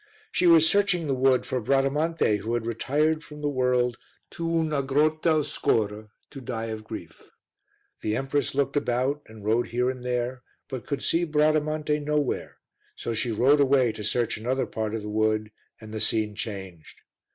She was searching the wood for Bradamante who had retired from the world to "una grotta oscura" to die of grief. The empress looked about and rode here and there but could see Bradamante nowhere, so she rode away to search another part of the wood and the scene changed.